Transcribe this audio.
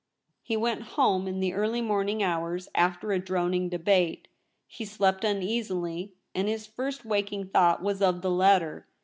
He went home in the early morning hours, after a droning debate. He slept uneasily, and his first waking thought was of the letter.